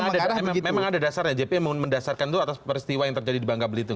tapi memang ada dasarnya jp mendasarkan itu atas peristiwa yang terjadi di bangga belitung